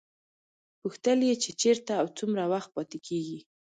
پوښتل یې چې چېرته او څومره وخت پاتې کېږي.